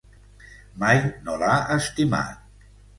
Mai no l'ha estimat.